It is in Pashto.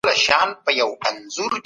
د ژوند حق د الله قانون دی.